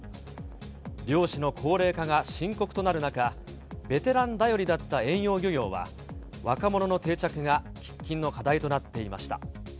漁師の高齢化が深刻となる中、ベテラン頼りだった遠洋漁業は、若者の定着が喫緊の課題となっていました。